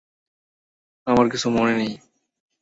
আমার কিছু মনে নেই।